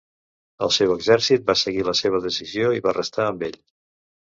El seu exèrcit va seguir a la seva decisió i va restar amb ell.